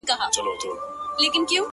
د سيند پر غاړه ـ سندريزه اروا وچړپېدل ـ